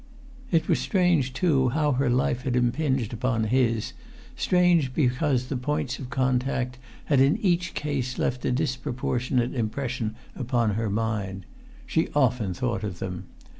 It was strange, too, how her life had impinged upon his, strange because the points of contact had in each case left a disproportionate impression upon her mind. She often thought of them.